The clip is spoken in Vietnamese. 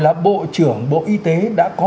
là bộ trưởng bộ y tế đã có